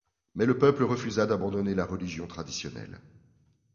Mais le peuple refusa d'abandonner la religion traditionnelle.